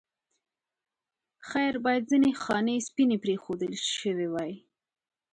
خیر باید ځینې خانې سپینې پرېښودل شوې وای.